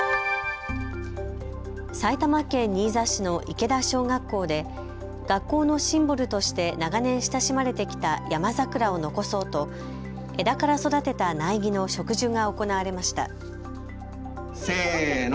埼玉県新座市の池田小学校で学校のシンボルとして長年親しまれてきたヤマザクラを残そうと枝から育てた苗木の植樹が行われました。